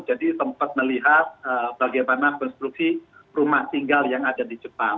jadi sempat melihat bagaimana konstruksi rumah tinggal yang ada di jepang